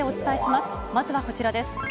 まずはこちらです。